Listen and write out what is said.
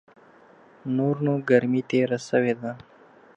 نور نو ګرمي تېره سوې ده .